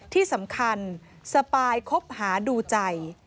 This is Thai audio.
ที่สำคัญสปายคบหาดูใจ